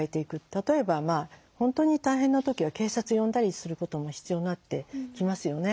例えば本当に大変な時は警察呼んだりすることも必要になってきますよね。